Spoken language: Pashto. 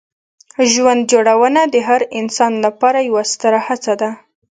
ژوند جوړونه د هر انسان لپاره یوه ستره هڅه ده.